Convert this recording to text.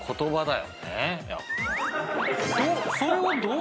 それをどう。